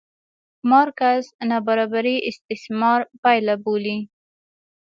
مارکس نابرابري استثمار پایله بولي.